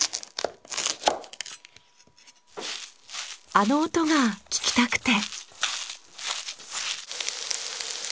あの音が聞きたくて。